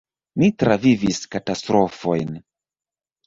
"Ni travivis katastrofojn."